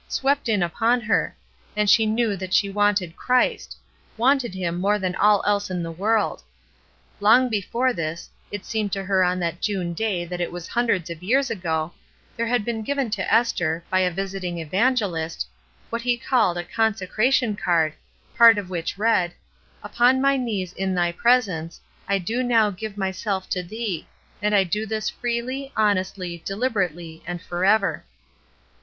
." swept in upon her, and she knew that she wanted Christ— wanted Him more than all else in the world. Long before this — it seemed to her on that June day that it was hundreds of years ago — there had been given to Esther, by a viating evangeUst, what he called a Consecra tion Card, part of which read, "Upon my knees in thy presence, I do now give myself to thee, and I do this freely, honestly, dehberately, and forever."